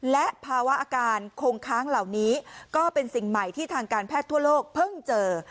และภาวะอาการคงค้างเหล่านี้ก็เป็นสิ่งใหม่ที่ทางการแพทย์ทั่วโลกเพิ่งเจอ